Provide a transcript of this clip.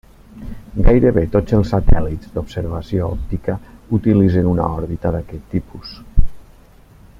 Gairebé tots els satèl·lits d'observació òptica utilitzen una òrbita d'aquest tipus.